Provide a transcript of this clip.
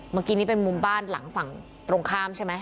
เมื่อกี้นี่เป็นมุมบ้านหลังฝั่งตรงข้ามใช่ไหม